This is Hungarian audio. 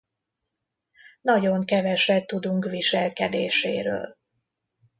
Nagyon keveset tudunk viselkedéséről.